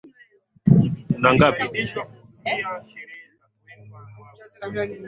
Kuna jumla ya makabila thelathini yanayodai kujitegemea Wasangu